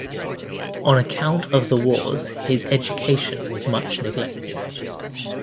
On account of the wars his education was much neglected.